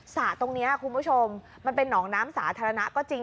สระตรงนี้คุณผู้ชมมันเป็นหนองน้ำสาธารณะก็จริง